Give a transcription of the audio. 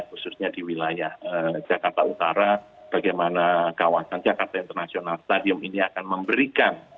khususnya di wilayah jakarta utara bagaimana kawasan jakarta international stadium ini akan memberikan